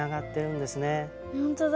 ほんとだ。